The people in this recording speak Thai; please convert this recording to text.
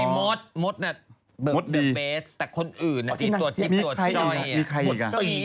อ๋อมดมดนะเบอร์เบอร์เบสแต่คนอื่นน่ะอีกตัวจ้อยอ่ะมีใครอีกอ่ะ